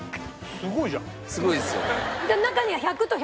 すごいですよ。